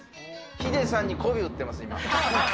ヒデさんにこび売ってます、今。